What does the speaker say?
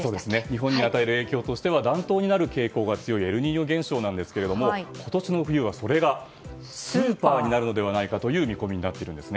日本に与える影響としては暖冬になる傾向が強いエルニーニョ現象ですが今年の冬はそれがスーパーになるのではないかという見込みになっています。